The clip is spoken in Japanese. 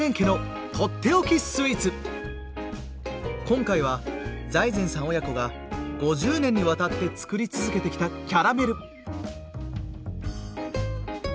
今回は財前さん親子が５０年にわたって作り続けてきたキャラメル！